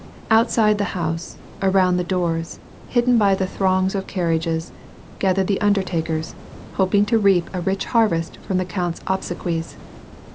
VOL. 1. — 6. 82 WAR AND PEACE. Outside the house, around the doors, hidden by the throngs of carriages, gathered the undertakers, hoping to reap a rich harvest from the count's obsequies.